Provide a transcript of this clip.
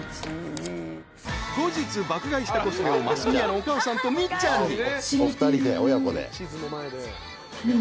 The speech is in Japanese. ［後日爆買いしたコスメをますみやのお母さんとみっちゃんに］